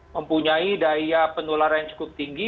mempunyai daya penularan yang cukup tinggi